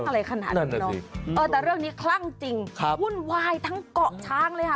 อะไรขนาดนั้นเนอะเออแต่เรื่องนี้คลั่งจริงครับวุ่นวายทั้งเกาะช้างเลยค่ะ